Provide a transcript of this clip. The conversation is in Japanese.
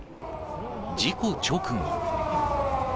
事故直後。